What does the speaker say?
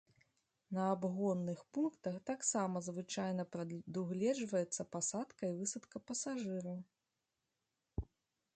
На абгонных пунктах таксама звычайна прадугледжваецца пасадка і высадка пасажыраў.